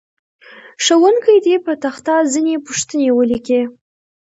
ښوونکی دې په تخته ځینې پوښتنې ولیکي.